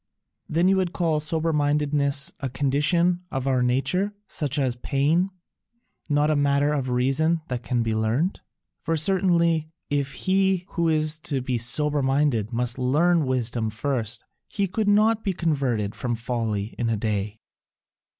"Then you would call sober mindedness a condition of our nature, such as pain, not a matter of reason that can be learnt? For certainly, if he who is to be sober minded must learn wisdom first, he could not be converted from folly in a day."